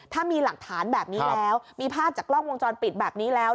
ถ้ามีหลักฐานแบบนี้แล้วมีภาพจากกล้องวงจรปิดแบบนี้แล้ว